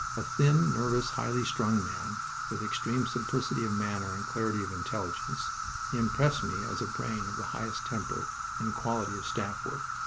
A thin, nervous, highly strung man, with extreme simplicity of manner and clarity of intelligence, he impressed me as a brain of the highest temper and quality in staff work.